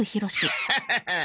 ハハハハッ！